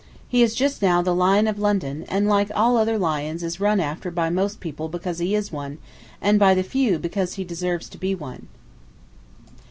He is just now the lion of London, and like all other lions is run after by most people because he is one, and by the few because he deserves to be one.